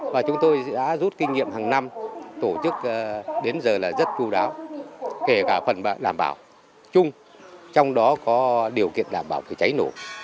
và chúng tôi đã rút kinh nghiệm hàng năm tổ chức đến giờ là rất chú đáo kể cả phần đảm bảo chung trong đó có điều kiện đảm bảo về cháy nổ